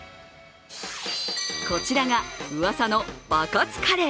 こちらがうわさのバカツカレー。